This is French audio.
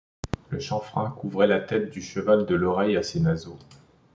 Le chanfrein couvrait la tête du cheval de l'oreille à ses naseaux.